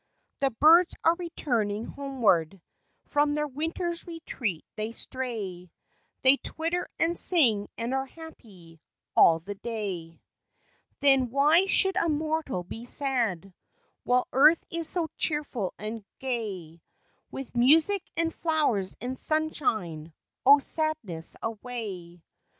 The birds are returning homeward, From their winter's retreat they stray, They twitter and sing and are happy All the day. Then why should a mortal be sad, While earth is so cheerful and gay, With music, and flowers and sunshine, O, sadness away.